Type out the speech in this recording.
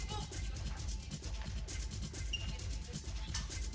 minta ini sakit bu